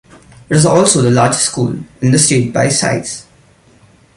It is also the largest school in the state by size.